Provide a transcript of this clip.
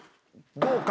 どうか？